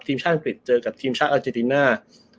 ชาติอังกฤษเจอกับทีมชาติอาเจติน่า